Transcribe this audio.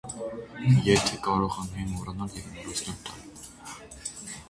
- Եթե՜ կարողանայի մոռանալ և մոռացնել տալ…